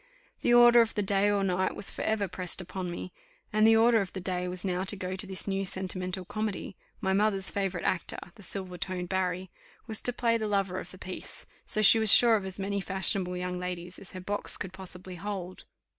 The order of the day or night was for ever pressed upon me and the order of the day was now to go to this new sentimental comedy my mother's favourite actor, the silver toned Barry, was to play the lover of the piece; so she was sure of as many fashionable young ladies as her box could possibly hold.